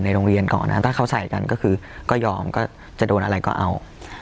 โรงเรียนก่อนนะถ้าเขาใส่กันก็คือก็ยอมก็จะโดนอะไรก็เอา